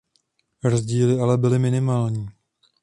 Rozdíly ale byly minimální.